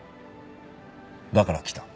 だから来た。